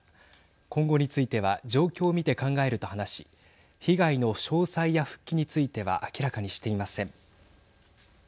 今後については状況を見て考えると話し被害の詳細や復帰については明らかにしていません。